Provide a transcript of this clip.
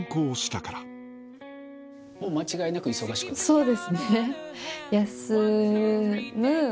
そうそうですね。